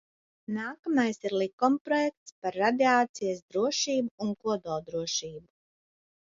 "Nākamais ir likumprojekts "Par radiācijas drošību un kodoldrošību"."